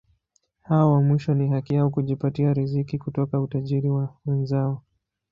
Hao wa mwisho ni haki yao kujipatia riziki kutoka utajiri wa wenzao.